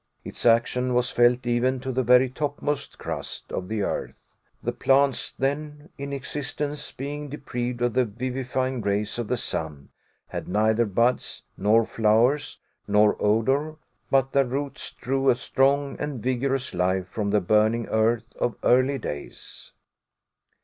Its action was felt even to the very topmost crust of the earth; the plants then in existence, being deprived of the vivifying rays of the sun, had neither buds, nor flowers, nor odor, but their roots drew a strong and vigorous life from the burning earth of early days.